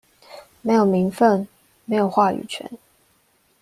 沒有名份，沒有話語權